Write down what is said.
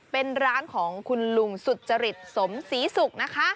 เป็นร้านของคุณลุงสุจริตสมศรีศุกร์นะคะ